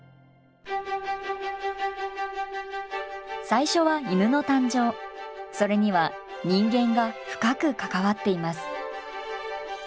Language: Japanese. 最初はそれには人間が深く関わっています。